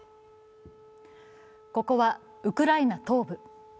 ここはウクライナ東部。